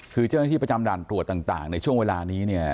คือเจ้าหน้าที่ประจำด่านตรวจต่างในช่วงเวลานี้เนี่ย